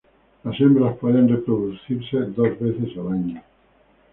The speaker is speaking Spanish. Las hembras pueden reproducirse dos veces al año.